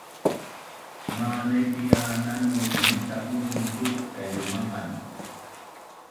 Manaipi’ a nanu imita Bunun tu kailumaqan